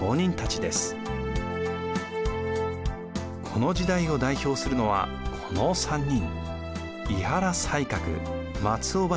この時代を代表するのはこの３人。